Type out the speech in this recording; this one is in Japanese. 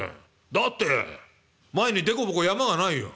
だって前に凸凹山がないよ」。